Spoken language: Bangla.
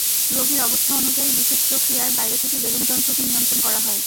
রোগীর অবস্থা অনুযায়ী বিশেষ প্রক্রিয়ায় বাইরে থেকে বেলুনযন্ত্রটি নিয়ন্ত্রণ করা হয়।